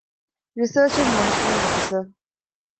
ރިސަރޗް އެންޑް މޮނިޓަރިންގ އޮފިސަރ